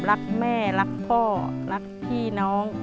รักแม่รักพ่อรักพี่น้อง